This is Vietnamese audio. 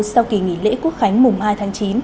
sau kỳ nghỉ lễ quốc khánh mùng hai tháng chín